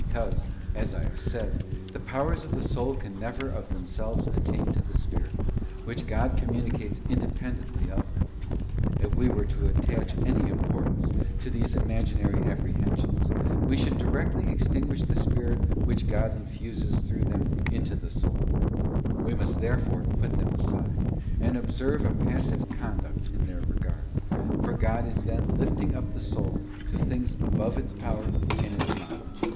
Because, as I have said, the powers of the soul can never of themselves attain to the Spirit, which God communicates independently of them. If we were to attach any importance to these Imaginary Apprehensions, we should directly extinguish the Spirit which God infuses through them into the soul: we must therefore put them aside, and observe a passive conduct in their regard, for God is then lifting up the soul to things above its power and its know ledge.